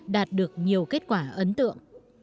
đạt được nhiều kết quả ấn tượng